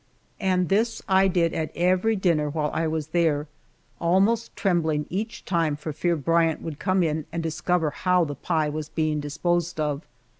And this I did at every dinner while I was there, almost trembling each time for fear Bryant would come in and discover how the pie was being disposed of.